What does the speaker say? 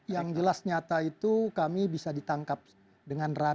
yang jelas nyata itu kami bisa ditangkap dengan ragu